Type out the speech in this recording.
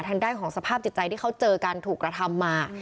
ทางด้านของสภาพจิตใจที่เขาเจอกันถูกกระทำมา